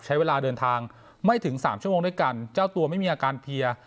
ใช้เวลาเดินทางไม่ถึงสามชั่วโมงด้วยกันเจ้าตัวไม่มีอาการเพียร์